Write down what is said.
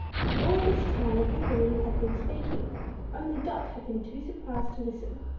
All this time the Kangaroo had been speaking, only Dot had been too surprised to listen.